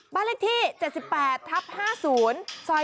บ้านเลขที่๗๘ทับ๕๐ซอย